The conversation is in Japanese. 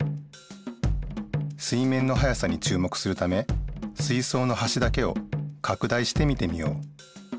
水面の速さにちゅう目するため水そうのはしだけをかく大して見てみよう。